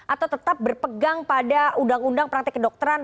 atau tetap berpegang pada undang undang praktek kedokteran